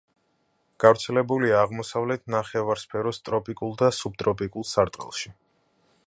გავრცელებულია აღმოსავლეთ ნახევარსფეროს ტროპიკულ და სუბტროპიკულ სარტყელში.